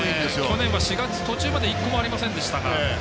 去年は４月途中まで１個もありませんでした。